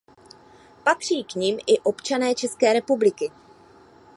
Patří k nim i občané České republiky.